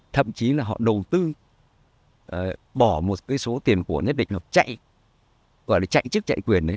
thậm chí là họ đầu tư bỏ một cái số tiền của nhất định họ chạy gọi là chạy chức chạy quyền